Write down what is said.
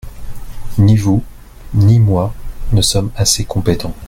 Ni vous ni moi ne sommes assez compétents.